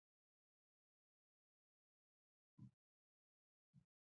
په لیدلو سره انسان حقیقت ته رسېږي